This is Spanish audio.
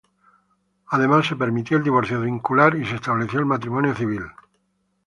Además, se permitió el divorcio vincular y se estableció el matrimonio civil.